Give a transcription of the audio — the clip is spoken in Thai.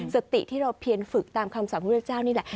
สติที่เราเพียนฝึกตามคำสั่งพุทธเจ้านี่แหละ